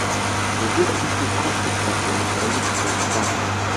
Ni zile nchi za Afrika ya mashariki na kati